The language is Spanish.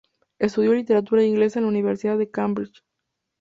Estudió literatura Inglesa en la Universidad de Cambridge.